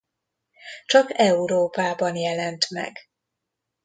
Csak Európában jelent meg.